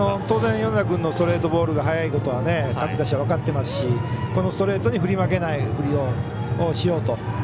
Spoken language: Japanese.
当然、米田君のストレートボールが速いことは各打者分かっていますしこのストレートに振り負けない振りをしようと。